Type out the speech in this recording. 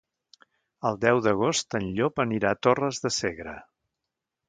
El deu d'agost en Llop anirà a Torres de Segre.